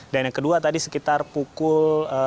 dan yang kedua tadi sekitar pukul delapan belas tiga puluh